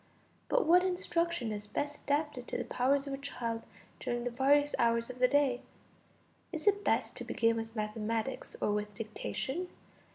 But what instruction is best adapted to the powers of a child during the various hours of the day? Is it best to begin with mathematics or with dictation?